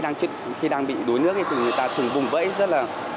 đang khi đang bị đuối nước thì người ta thường vùng vẫy rất là